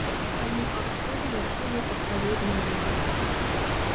Таму акцёры насілі адпаведныя маскі.